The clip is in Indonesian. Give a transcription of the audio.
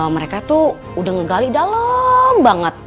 mereka tuh udah ngegali dalem banget